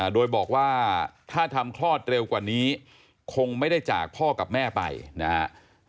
โดยบอกว่าถ้าทำคลอดเร็วกว่านี้คงไม่ได้จากพ่อกับแม่ไปนะครับ